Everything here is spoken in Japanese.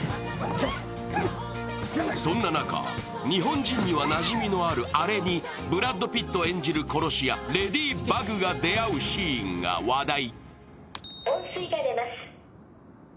そんな中、日本人にはなじみのあるアレに、ブラッド・ピット演じる殺し屋、レディバグが出会うシーンが話題。